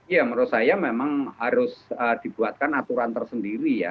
ya menurut saya memang harus dibuatkan aturan tersendiri ya